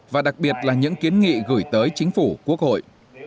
và đặc biệt là những kiến nghị gửi tới chính phủ quốc hội